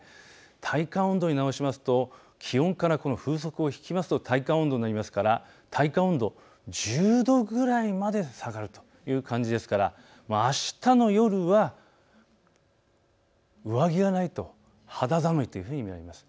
体感温度に直しますと気温から風速を引きますと体感温度になりますから体感温度１０度ぐらいまで下がるという感じですからあしたの夜は上着がないと肌寒いというふうに見られます。